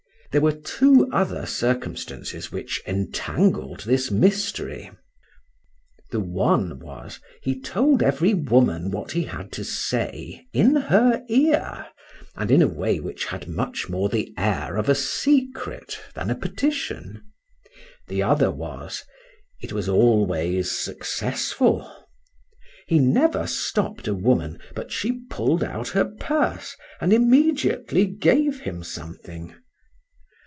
There were two other circumstances, which entangled this mystery;—the one was, he told every woman what he had to say in her ear, and in a way which had much more the air of a secret than a petition;—the other was, it was always successful.—He never stopp'd a woman, but she pull'd out her purse, and immediately gave him something.